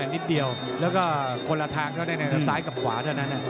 นิดเดียวแล้วก็คนละทางซ้ายกับขวาเขาทำแบบนั้นมา